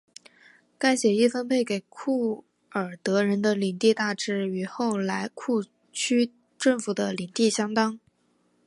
该协议分配给库尔德人的领地大致与后来库区政府的领地相当。